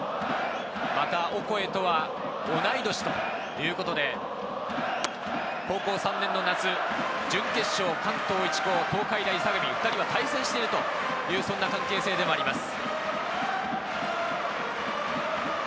またオコエとは同い年ということで、高校３年の夏、準決勝、関東一高、東海大相模、２人は対戦しているという、そんな関係性でもあります。